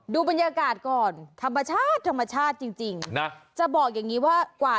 ดูบรรยากาศก่อนธรรมชาติธรรมชาติจริงนะจะบอกอย่างนี้ว่ากว่า